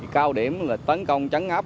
cao điểm tấn công trắng ngáp